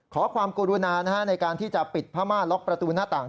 ขอความกรุณาในการที่จะปิดพม่าล็อกประตูหน้าต่าง